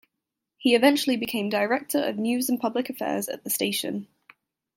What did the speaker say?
He eventually became Director of News and Public Affairs at the station.